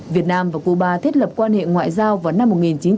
việt nam và cuba thiết lập quan hệ ngoại giao vào năm một nghìn chín trăm bảy mươi